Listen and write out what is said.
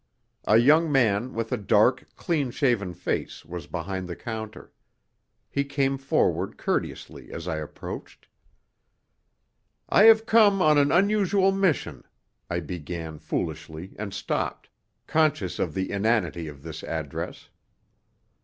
A young man with a dark, clean shaven face, was behind the counter. He came forward courteously as I approached. "I have come on an unusual mission," I began foolishly and stopped, conscious of the inanity of this address.